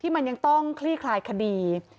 มันยังต้องคลี่คลายคดี